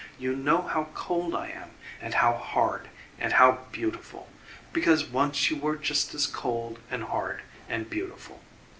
You know how cold I am and how hard and how beautiful, because once you were just as cold and hard and beautiful."